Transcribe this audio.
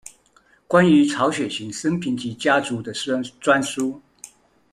關於曹雪芹生平及其家族的專書